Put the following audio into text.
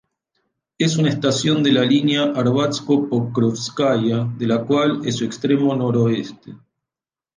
Es una estación de la línea Arbatsko-Pokrovskaya de la cual es su extremo noroeste.